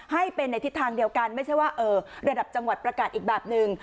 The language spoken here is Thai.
ให้เป็นในทิศทางเดียวกันไม่ใช่ว่าระดับจังหวัดประกาศอีกแบบหนึ่ง